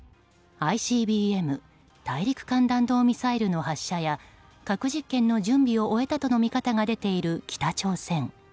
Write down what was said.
ＩＣＢＭ・大陸間弾道ミサイルの発射や核実験の準備を終えたとの見方が出ている北朝鮮。